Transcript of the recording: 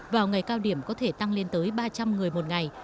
vào ngày cao điểm có thể tăng lên tới ba trăm linh người một ngày